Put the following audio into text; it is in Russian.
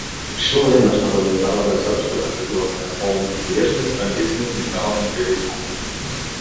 Пришло время, чтобы международное сообщество подтвердило свою полную приверженность борьбе с международным терроризмом.